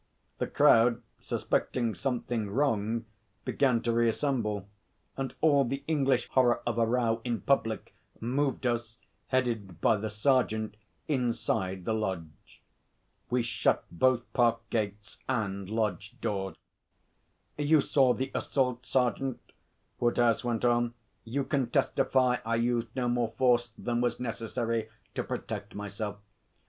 The crowd suspecting something wrong began to reassemble, and all the English horror of a row in public moved us, headed by the sergeant, inside the lodge. We shut both park gates and lodge door. 'You saw the assault, sergeant,' Woodhouse went on. 'You can testify I used no more force than was necessary to protect myself.